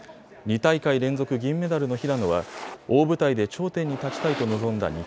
２大会連続銀メダルの平野は大舞台で頂点に立ちたいと臨んだ